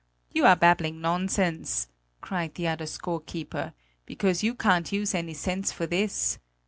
"You are babbling nonsense," cried the other scorekeeper, "because you can't use any sense for this!